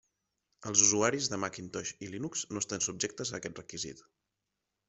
Els usuaris de Macintosh i Linux no estan subjectes a aquest requisit.